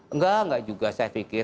enggak enggak juga saya pikir